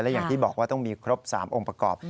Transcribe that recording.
อย่างที่บอกว่าต้องมีครบ๓องค์ประกอบ